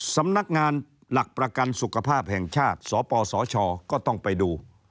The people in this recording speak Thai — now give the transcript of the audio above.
สำนักงานหลักประกันสุขภาพแห่งชาติสปสชก็ต้องไปดู